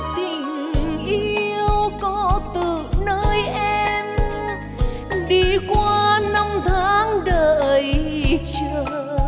tình yêu có từ nơi em đi qua năm tháng đợi chờ